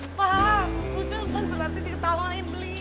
papa lucu kan berarti diketawain beliin